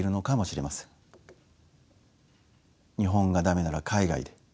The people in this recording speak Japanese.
「日本が駄目なら海外で」。